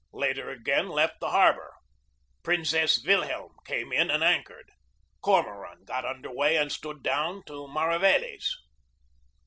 Later again left the harbor. Prinze ss Wilhelm came in and anchored. Cormoran got under way and stood down to Mari veles.